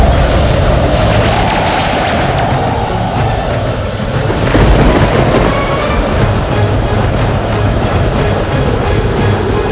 kamu pergi meninggalkan kami